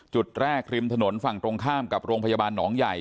จุดแรกริมถนนฝั่งตรงข้ามกับโรงพยาบาลหนองใหญ่